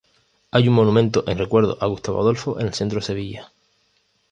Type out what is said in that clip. Hay un monumento en recuerdo de Gustavo Adolfo en el centro de Sevilla.